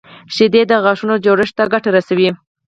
شیدې د غاښونو جوړښت ته ګټه رسوي